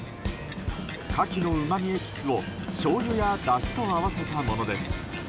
カキのうまみエキスをしょうゆや、だしと合わせたものです。